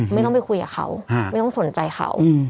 ไม่ต้องไปคุยกับเขาไม่ต้องสนใจเขา